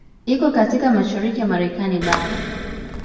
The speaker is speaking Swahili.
Iko katika mashariki ya Marekani bara.